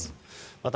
また、